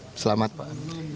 terima kasih pak